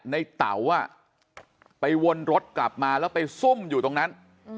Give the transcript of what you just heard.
เต๋าไปวนรถกลับมาแล้วไปซุ่มอยู่ตรงนั้น